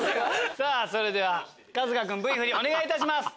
さぁそれでは春日君Ｖ振りお願いいたします。